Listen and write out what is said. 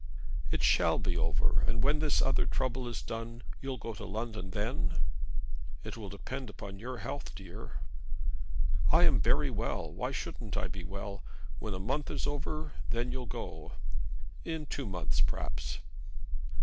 "It shall be over. And when this other trouble is done, you'll go to London then?" "It will depend on your health, dear." "I am very well. Why shouldn't I be well? When a month is over, then you'll go." "In two months, perhaps."